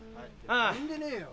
たるんでねえよ。